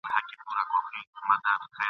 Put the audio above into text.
اوښکي مي د عمر پر ګرېوان دانه دانه راځي ..